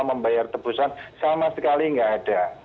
membayar tebusan sama sekali nggak ada